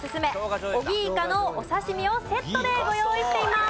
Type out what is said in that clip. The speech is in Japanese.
小木いかのお刺身をセットでご用意しています。